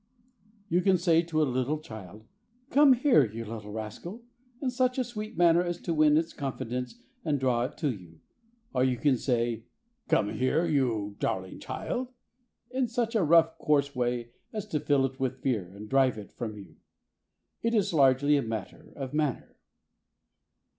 You can say to a little child, "Come here, you little rascal," in such a sweet manner as to win its confidence and draw it to you ; or you can say, "Come here, you darling child," in such a rough, coarse way as to fill it with fear and drive it from you. It is largely a matter of manner.